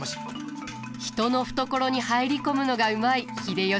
人の懐に入り込むのがうまい秀吉。